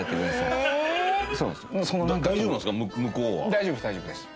大丈夫です大丈夫です。